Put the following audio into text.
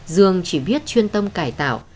dương chỉ biết chuyên tâm cải tạo